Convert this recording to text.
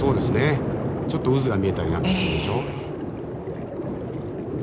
ちょっと渦が見えたりなんかするでしょう。